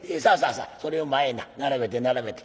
さあそれを前へな並べて並べて。